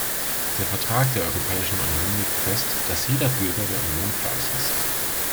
Der Vertrag der Europäischen Union legt fest, dass jeder Bürger der Union gleich ist.